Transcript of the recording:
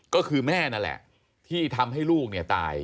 ก็คือแม่นั่นแหละที่ทำให้ลูกเนี่ยตาย